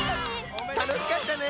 たのしかったね！